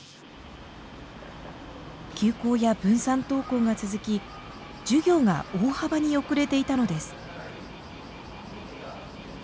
休校や分散登校が続き授業が大幅に遅れていたのです。